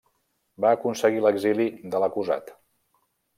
Va aconseguir l'exili de l'acusat.